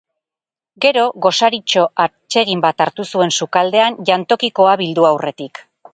Gero, gosaritxo atsegin bat hartu zuen sukaldean jantokikoa bildu aurretik.